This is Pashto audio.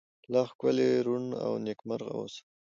لا ښکلې، ړون، او نکيمرغه اوسه👏